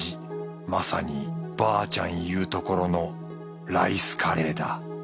まさにばあちゃん言うところのライスカレーだ